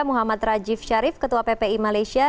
muhammad rajif sharif ketua ppi malaysia